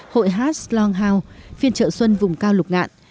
hội hatch long howe phiên trợ xuân vùng cao lục ngạn